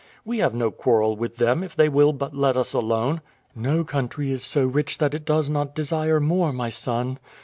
We have no quarrel with them if they will but let us alone." "No country is so rich that it does not desire more, my son.